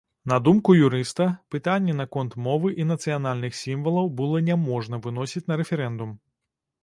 На думку юрыста, пытанні наконт мовы і нацыянальных сімвалаў было няможна выносіць на рэферэндум.